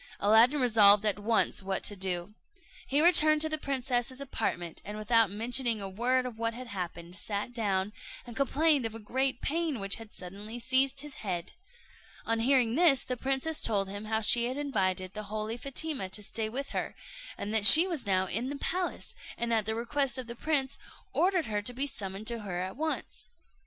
Aladdin resolved at once what to do. He returned to the princess's apartment, and without mentioning a word of what had happened, sat down, and complained of a great pain which had suddenly seized his head. On hearing this, the princess told him how she had invited the holy Fatima to stay with her, and that she was now in the palace; and at the request of the prince, ordered her to be summoned to her at once.